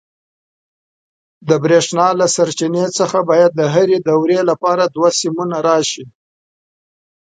د برېښنا له سرچینې څخه باید د هرې دورې لپاره دوه سیمونه راشي.